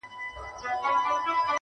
دا روايت د ټولنې ژور نقد وړلاندي کوي-